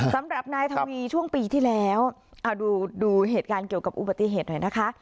สำหรับนายทวีช่วงปีที่แล้วเอาดูเหตุการณ์เกี่ยวกับอุบัติเหตุหน่อยนะคะ